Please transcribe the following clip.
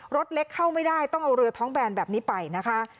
รถเล็กเข้าไม่ได้ต้องเอาเรือท้องแบนแบบนี้ไปนะคะ